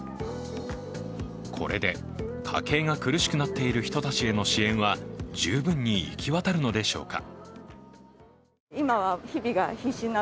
これで家計が苦しくなっている人たちへの支援は十分に行き渡るのでしょうか。